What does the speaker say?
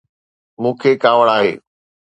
مون کي ڪاوڙ آهي